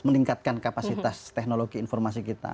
meningkatkan kapasitas teknologi informasi kita